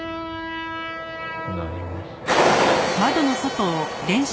何も。